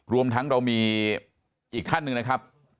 รวมทั้งเรามีอีกท่านหนึ่งนะครับ